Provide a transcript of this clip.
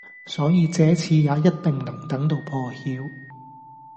所以這次也一定能等到破曉